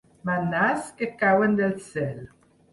Mannàs que cauen del cel.